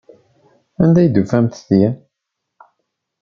Anda ay d-tufamt ti?